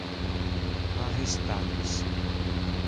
arrestados